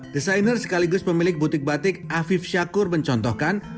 desainer sekaligus pemilik butik batik afif syakur mencontohkan